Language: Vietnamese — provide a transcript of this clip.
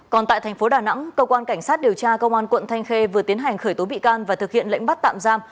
còn tại thành phố đà nẵng cơ quan cảnh sát điều tra công an quận thanh khê vừa tiến hành khởi tố bị can và thực hiện lệnh bắt tạm giam